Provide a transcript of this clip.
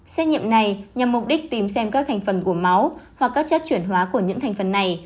xét nghiệm này nhằm mục đích tìm xem các thành phần của máu hoặc các chất chuyển hóa của những thành phần này